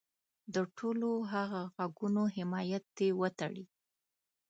د ټولو هغه غږونو حمایت دې وتړي.